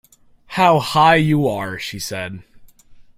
“How high you are!” she said.